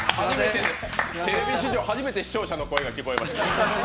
テレビ史上初めて視聴者の声が聞こえました。